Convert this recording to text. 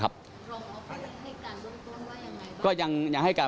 รวมถึงเมื่อวานี้ที่บิ๊กโจ๊กพาไปคุยกับแอมท์ท่านสถานหญิงกลาง